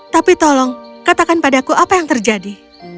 tapi tolong katakan padaku apa yang terjadi